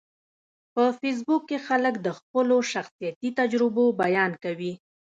په فېسبوک کې خلک د خپلو شخصیتي تجربو بیان کوي